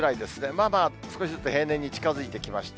まあまあ少しずつ平年に近づいてきました。